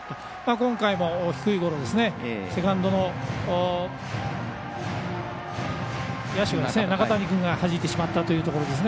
今回も低いゴロをセカンドの野手中谷君がはじいてしまったというところですね。